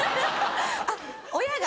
あっ親が？